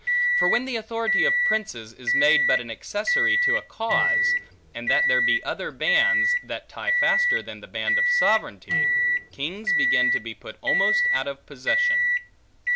For when the authority of princes, is made but an accessory to a cause, and that there be other bands, that tie faster than the band of sovereignty, kings begin to be put almost out of possession.